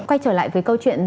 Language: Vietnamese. quay trở lại với câu chuyện